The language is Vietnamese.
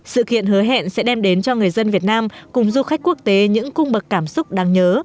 sự kiện hứa hẹn sẽ đem đến cho người dân việt nam cùng du khách quốc tế những cung bậc cảm xúc đáng nhớ